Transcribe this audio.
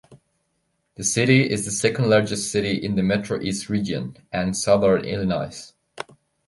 The city is the second largest city in the Metro-East region and Southern Illinois.